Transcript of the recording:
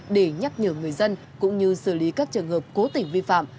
để nhắc nhở người dân cũng như xử lý các trường hợp cố tình vi phạm